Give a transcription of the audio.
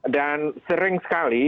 dan sering sekali